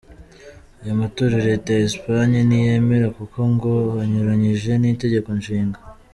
Aya matora Leta ya Espagne ntiyemera kuko ngo anyuranyije n’Itegeko Nshinga.